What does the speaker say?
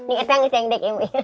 ini ada yang kaya gede